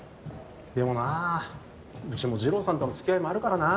でもなうちもＪＩＲＯさんとの付き合いもあるからな。